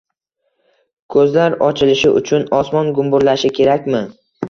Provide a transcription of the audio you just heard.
Ko‘zlar ochilishi uchun «osmon gumburlashi» kerakmi?